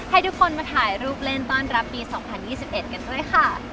ให้ทุกคนมาถ่ายรูปเล่นต้อนรับปี๒๐๒๑กันด้วยค่ะ